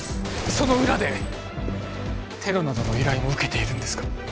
その裏でテロなどの依頼も受けているんですか？